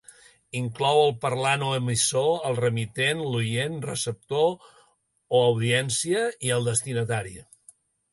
Inclou el parlant o emissor, el remitent, l’oient, receptor o audiència, i el destinatari.